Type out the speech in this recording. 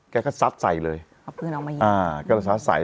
แกก็ซัดใส่เลยเอาปืนออกมายิงอ่าก็เลยซัดใส่